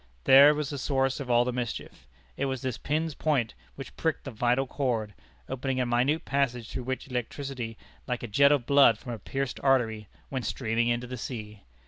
There was the source of all the mischief. It was this pin's point which pricked the vital cord, opening a minute passage through which the electricity, like a jet of blood from a pierced artery, went streaming into the sea.